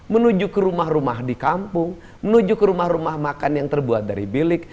menuju ke rumah rumah di kampung menuju ke rumah rumah makan yang terbuat dari bilik